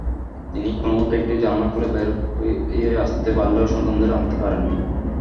তিনি কোনোমতে একটি জানালা খুলে বের হয়ে আসতে পারলেও সন্তানদের আনতে পারেননি।